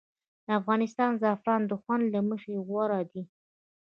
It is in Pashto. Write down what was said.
د افغانستان زعفران د خوند له مخې غوره دي